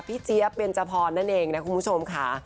เจี๊ยบเบนจพรนั่นเองนะคุณผู้ชมค่ะ